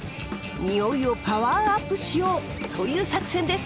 においをパワーアップしよう！という作戦です。